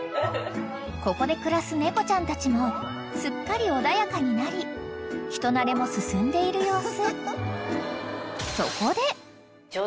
［ここで暮らす猫ちゃんたちもすっかり穏やかになり人なれも進んでいる様子］